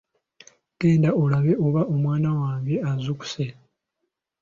Genda olabe oba omwana wange azuukuse.